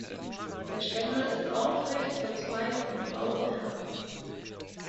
Der Stängel ist aufrecht, verzweigt und rau behaart.